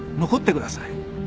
残ってください。